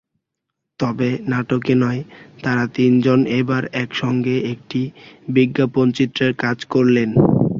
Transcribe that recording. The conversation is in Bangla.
তবে নাটকে নয়, তাঁরা তিনজন এবার একসঙ্গে একটি বিজ্ঞাপনচিত্রের কাজ করলেন।